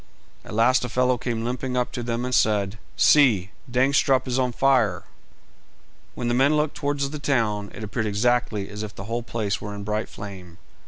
At last a fellow came limping up to them and said "See, Dangstrup is on fire!" When the men looked towards the town, it appeared exactly as if the whole place were in a bright flame.